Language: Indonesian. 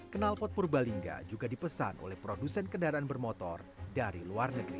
kenalpot purbalingga juga dipesan oleh produsen kendaraan bermotor dari luar negeri